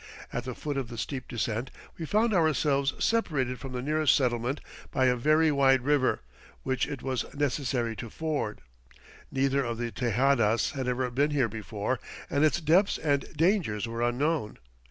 At the foot of the steep descent we found ourselves separated from the nearest settlement by a very wide river, which it was necessary to ford. Neither of the Tejadas had ever been here before and its depths and dangers were unknown.